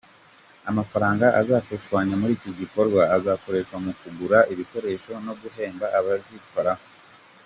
Amafaranga azakusanywa muri iki gikorwa azakoreshwa mu kugura ibikoresho no guhemba abazikoraho.